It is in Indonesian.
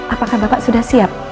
apakah bapak sudah siap